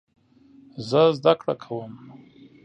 زه زده کړه کوم